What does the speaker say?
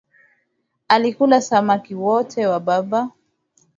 Alikula samaki wote wa baba